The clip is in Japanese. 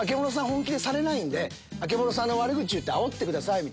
本気でされないんで悪口言ってあおってください」。